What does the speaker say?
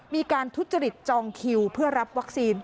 มีการทุจริตจองคิวเพื่อรับวัคซีน